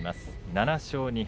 ７勝２敗。